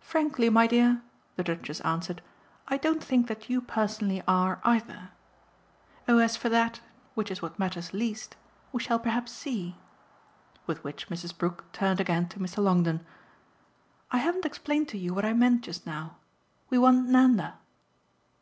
"Frankly, my dear," the Duchess answered, "I don't think that you personally are either." "Oh as for that which is what matters least we shall perhaps see." With which Mrs. Brook turned again to Mr. Longdon. "I haven't explained to you what I meant just now. We want Nanda."